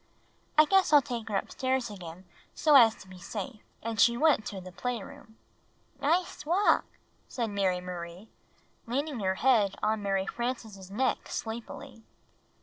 "I guess I'll take her upstairs again so as to be safe." And she went to the playroom. "Nice walk," said IMary Marie, leaning her head on Mary Frances' neck sleepily.